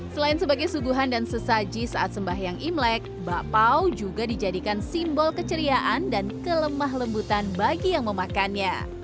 selain sebagai suguhan dan sesaji saat sembahyang imlek bakpao juga dijadikan simbol keceriaan dan kelemah lembutan bagi yang memakannya